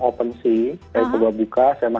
opensea saya coba buka